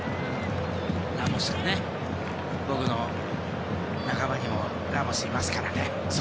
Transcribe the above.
ラモス、僕の仲間にもラモスがいますからね。